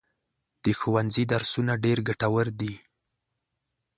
د ښوونځي درسونه ډېر ګټور دي.